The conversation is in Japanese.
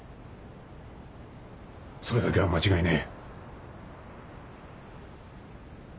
それだけは間違いねえ。